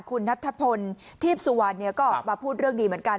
คุณนัทธพลทีพสุวรรณก็ออกมาพูดเรื่องดีเหมือนกัน